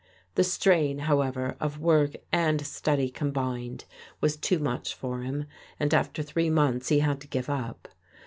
The strain, however, of work and study combined was too much for him, and after three months he had to give up.